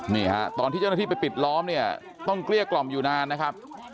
นี่ฮะตอนที่เจ้าหน้าที่ไปปิดล้อมเนี่ยต้องเกลี้ยกล่อมอยู่นานนะครับ